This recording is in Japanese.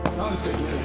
いきなり。